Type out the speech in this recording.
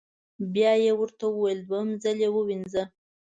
بیا یې ورته وویل: دویم ځل یې ووینځه.